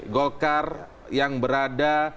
golkar yang berada